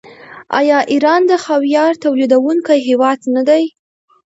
آیا ایران د خاویار تولیدونکی هیواد نه دی؟